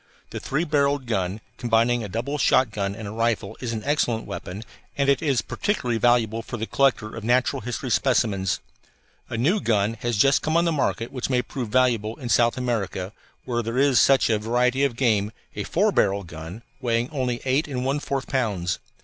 The three barrelled gun, combining a double shotgun and a rifle, is an excellent weapon, and it is particularly valuable for the collector of natural history specimens. A new gun has just come on the market which may prove valuable in South America where there is such a variety of game, a four barrel gun, weighing only eight and one fourth pounds.